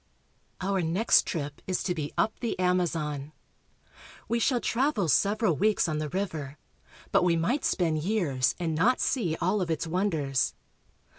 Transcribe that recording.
OUR next trip is to be up the Amazon. We shall travel several weeks on the river, but we might spend years and not see all of its wonders.